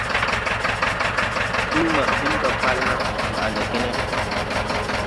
Ūuu maa ɓin ga Falna. Ndɔ a le ge ne ?